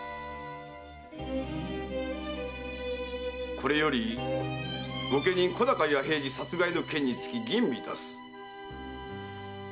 これより御家人・小高弥平次殺害の件につき吟味いたす。